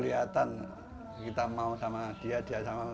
ini untuk menguremkanmu